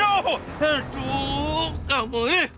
aduh kamu nih